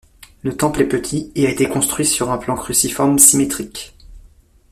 Le temple est petit, et a été construit sur un plan cruciforme symétrique.